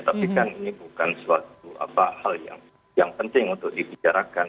tapi kan ini bukan suatu hal yang penting untuk dibicarakan